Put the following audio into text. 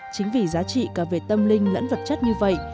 chính vì giá trị cả về tâm linh lẫn vật chất như vậy